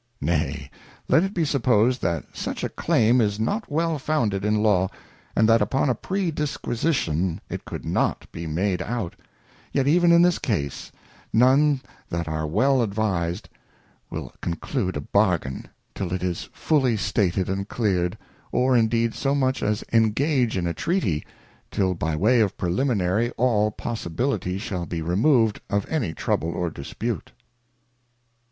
Nay, let it be supposed, that such a Claim is not well founded in Law, and that upon a free disquisition it could not be made out ; yet even in this case, none that are well advised will The Anatoviy of an Equivalent. 115 will conclude a Bargain, till it is fully stated and cleared, or indeed, so much as engage in a treaty, till by way of preliminary all possibility shall be remov'd of any trouble or dispute.